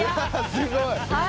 すごい！早！